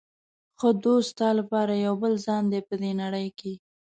ښه دوست ستا لپاره یو بل ځان دی په دې نړۍ کې.